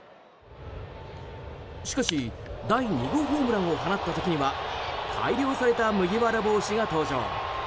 しかし第２号ホームランを放った時には改良された麦わら帽子が登場。